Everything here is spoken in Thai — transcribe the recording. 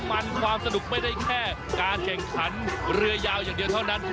มันความสนุกไม่ได้แค่การแข่งขันเรือยาวอย่างเดียวเท่านั้น